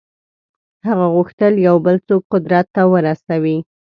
هغه غوښتل یو بل څوک قدرت ته ورسوي.